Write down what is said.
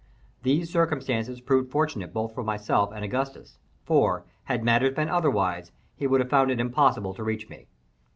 These circumstances proved fortunate both for myself and Augustus; for, had matters been otherwise, he would have found it impossible to reach me.